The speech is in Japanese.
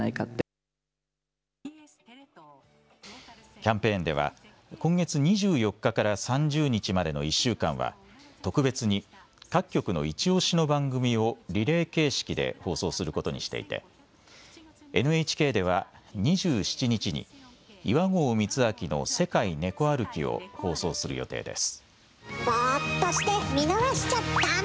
キャンペーンでは今月２４日から３０日までの１週間は特別に各局のいちおしの番組をリレー形式で放送することにしていてＮＨＫでは２７日に岩合光昭の世界ネコ歩きを放送する予定です。